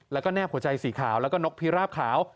แล้วก็แนบหัวใจสีขาวแล้วก็นกพิราบขาว